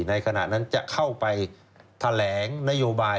ในขณะนั้นจะเข้าไปแถลงนโยบาย